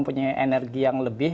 mempunyai energi yang lebih